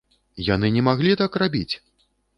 Яны не маглі так рабіць!